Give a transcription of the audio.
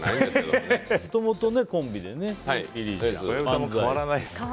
もともとコンビでね。